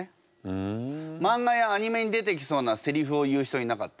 マンガやアニメに出てきそうなセリフを言う人いなかった？